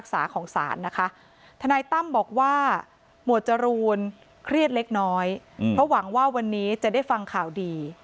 ทนายตั้มบอกว่าหมวดจรูนเครียดเล็กน้อยเพราะหวังว่าวันนี้จะได้ฟังข่าวดี